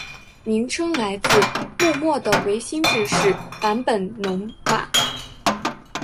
名称来自幕末的维新志士坂本龙马。